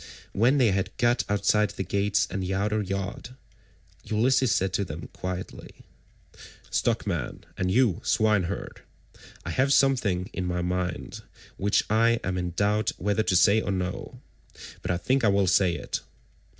When they had got outside the gates and the outer yard, Ulysses said to them quietly: "Stockman, and you swineherd, I have something in my mind which I am in doubt whether to say or no; but I think I will say it.